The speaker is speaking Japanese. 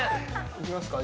いきますか？